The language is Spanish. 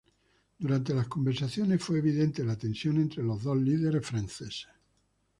Durante las conversaciones fue evidente la tensión entre los dos líderes franceses.